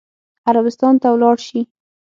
عربستان ته ولاړ شي.